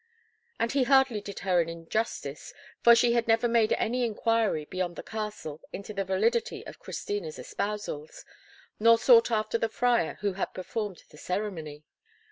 And he hardly did her injustice, for she had never made any inquiry beyond the castle into the validity of Christina's espousals, nor sought after the friar who had performed the ceremony.